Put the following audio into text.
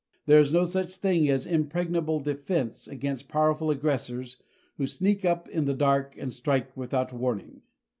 There is no such thing as impregnable defense against powerful aggressors who sneak up in the dark and strike without warning.